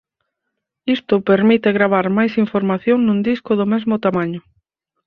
Isto permite gravar máis información nun disco do mesmo tamaño.